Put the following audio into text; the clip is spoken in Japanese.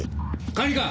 管理官！